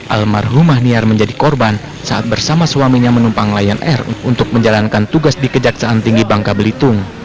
almarhumah niar menjadi korban saat bersama suaminya menumpang lion air untuk menjalankan tugas di kejaksaan tinggi bangka belitung